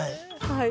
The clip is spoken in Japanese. はい。